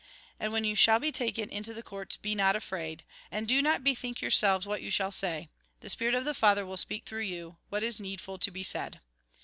And when you shall be taken into the courts, be not afraid ; and do not bethink yourselves what you shall say. The spirit of the Father will speak through you, what is needful to be said.